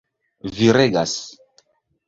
Vi regas!